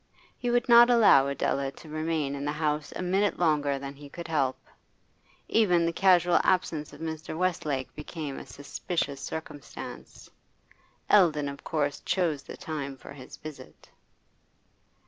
He would not allow Adela to remain in the house a minute longer than he could help. Even the casual absence of Mr. Westlake became a suspicious circumstance; Eldon of course chose the time for his visit.